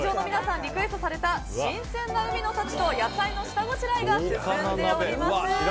リクエストされた新鮮な海の幸と野菜の下ごしらえが進んでおります。